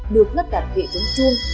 được nắp đặt vị trung trung